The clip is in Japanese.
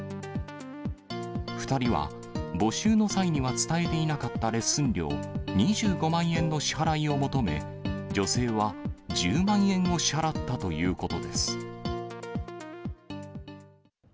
２人は募集の際には伝えていなかったレッスン料２５万円の支払いを求め、女性は１０万円を支払ったということです。